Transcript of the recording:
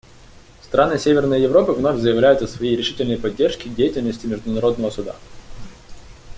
Страны Северной Европы вновь заявляют о своей решительной поддержке деятельности Международного Суда.